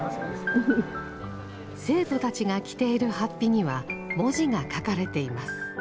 生徒たちが着ている法被には文字が書かれています。